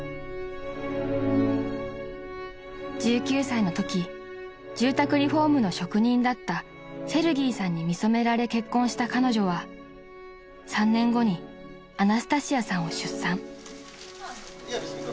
［１９歳のとき住宅リフォームの職人だったセルギーさんに見初められ結婚した彼女は３年後にアナスタシアさんを出産］